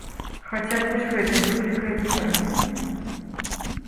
Хаця б вось гэта выклікае пытанні.